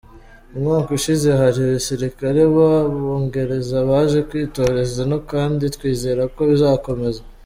Umwaka ushize hari abasirikare b’Abongereza baje kwitoreza ino kandi twizera ko bizakomeza.